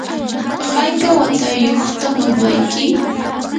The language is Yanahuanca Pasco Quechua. ¿hayka watayuqta mamayki?